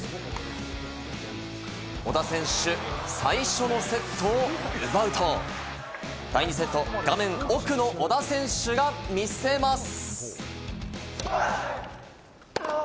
小田選手、最初のセットを奪うと、第２セット、画面奥の小田選手が見せます。